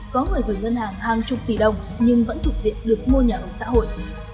có người gửi ngân hàng hàng chục tỷ đồng nhưng vẫn thuộc diện được mua nhà ở xã hội